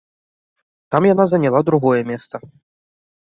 Там яна заняла другое месца.